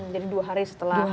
jadi dua hari setelah aldi hilang